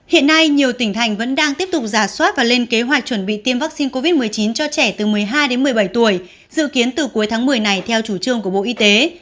hiện nay nhiều tỉnh thành vẫn đang tiếp tục giả soát và lên kế hoạch chuẩn bị tiêm vaccine covid một mươi chín cho trẻ từ một mươi hai đến một mươi bảy tuổi dự kiến từ cuối tháng một mươi này theo chủ trương của bộ y tế